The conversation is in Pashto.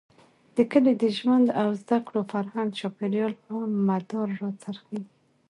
د کلي د ژوند او زده کړو، فرهنګ ،چاپېريال، په مدار را څرخېږي.